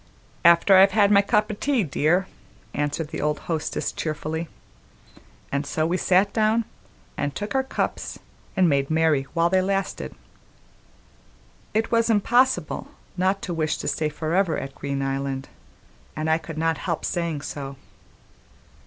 "After I've had my cup o' tea, dear," answered the old hostess cheerfully; and so we sat down and took our cups and made merry while they lasted. It was impossible not to wish to stay on forever at Green Island, and I could not help saying so.